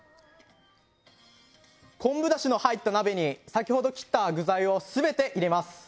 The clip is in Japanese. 昆布出汁の入った鍋に先ほど切った具材をすべて入れます。